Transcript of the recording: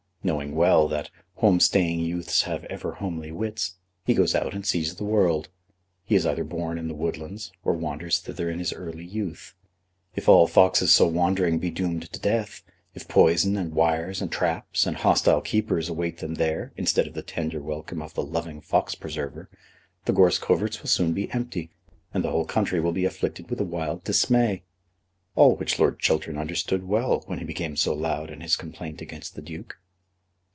Knowing well that "home staying youths have ever homely wits," he goes out and sees the world. He is either born in the woodlands, or wanders thither in his early youth. If all foxes so wandering be doomed to death, if poison, and wires, and traps, and hostile keepers await them there instead of the tender welcome of the loving fox preserver, the gorse coverts will soon be empty, and the whole country will be afflicted with a wild dismay. All which Lord Chiltern understood well when he became so loud in his complaint against the Duke.